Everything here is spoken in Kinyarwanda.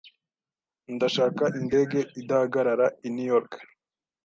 Ndashaka indege idahagarara i New York.